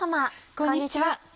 こんにちは。